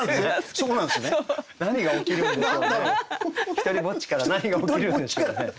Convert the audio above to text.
「独りぼつち」から何が起きるんでしょうね。